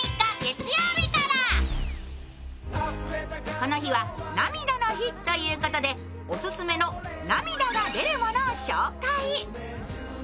この日は涙の日ということでオススメの涙が出るものを紹介。